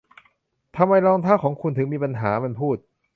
'ทำไมรองเท้าของคุณถึงมีปัญหา' มันพูด